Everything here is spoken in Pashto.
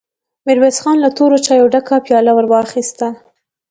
ميرويس خان له تورو چايو ډکه پياله ور واخيسته.